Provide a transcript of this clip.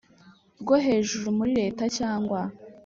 Rwo hejuru muri leta cyangwa